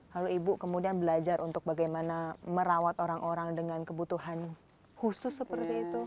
lalu ibu kemudian belajar untuk bagaimana merawat orang orang dengan kebutuhan khusus seperti itu